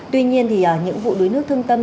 tuy nhiên thì những vụ đuối nước thương tâm